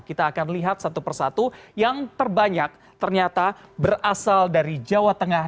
kita akan lihat satu persatu yang terbanyak ternyata berasal dari jawa tengah